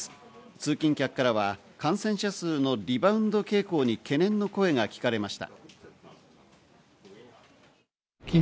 通勤客からは感染者数のリバウンド傾向に懸念の声が聞かれました。